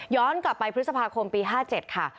ย้อนกลับไปภฤษภาคมปี๕๗ค่ะ